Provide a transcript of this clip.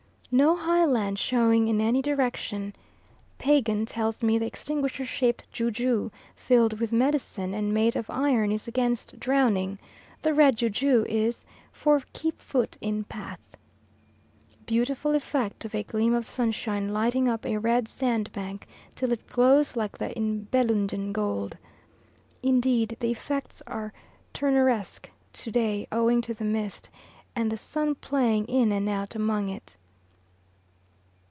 No high land showing in any direction. Pagan tells me the extinguisher shaped juju filled with medicine and made of iron is against drowning the red juju is "for keep foot in path." Beautiful effect of a gleam of sunshine lighting up a red sandbank till it glows like the Nibelungen gold. Indeed the effects are Turneresque to day owing to the mist, and the sun playing in and out among it.